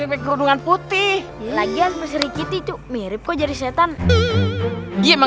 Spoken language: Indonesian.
kerudungan putih lagi asperik itu mirip kojol setan memang